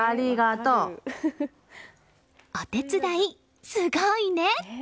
お手伝い、すごいね！